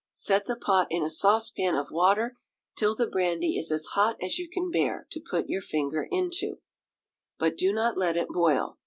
Set the pot in a saucepan of water till the brandy is as hot as you can bear to put your finger into, but do not let it boil.